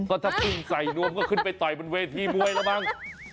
ก็ถ้าพึ่งใส่นวมก็ขึ้นไปต่อยบนเวทย์ที่บ๊วยแล้วบ้าง